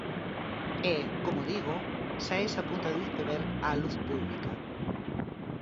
E, como digo, sae esa punta do iceberg á luz pública.